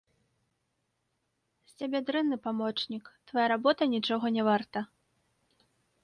З цябе дрэнны памочнік, твая работа нічога не варта.